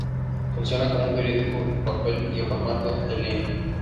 Funciona como un periódico en papel y en formato en línea.